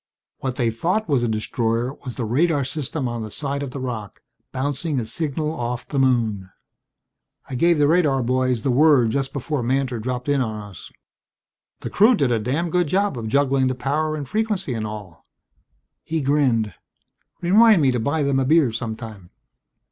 "What they thought was a destroyer was the radar system on the side of the rock, bouncing a signal off the moon. I gave the radar boys the word just before Mantor dropped in on us. The crew did a damned good job of juggling the power and frequency and all." He grinned. "Remind me to buy them a beer sometime."